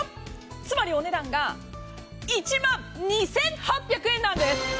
つまりお値段が１万２８００円なんです。